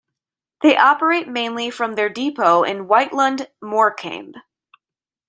They operate mainly from their depot in White Lund, Morecambe.